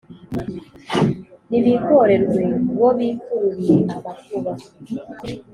Nibigorerwe! Bo bikururiye amakuba.